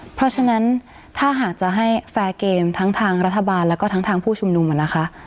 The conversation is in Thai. เพราะฉะนั้นถ้าหากจะให้แฟร์เกมทั้งทางรัฐบาลแล้วก็ทั้งทางผู้ชุมนุมนะคะ